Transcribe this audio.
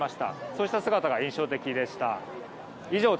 こうした姿が印象的でした。